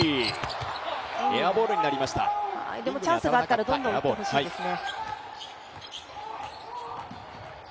チャンスがあったらどんどん打ってほしいですね。